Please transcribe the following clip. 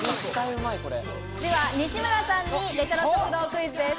では西村さんにレトロ食堂クイズです。